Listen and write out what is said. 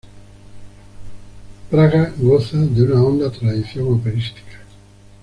Praga goza de una honda tradición operística.